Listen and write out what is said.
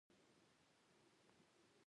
مېلمه ته د زړه له اخلاصه نیکي وکړه.